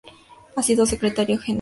Ha sido Secretario Gral.